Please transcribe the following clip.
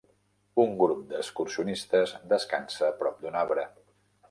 Un grup d'excursionistes descansa prop d'un arbre.